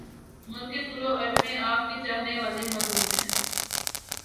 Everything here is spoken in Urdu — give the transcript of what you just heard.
ملک کے طول وعرض میں آپ کے چاہنے والے موجود ہیں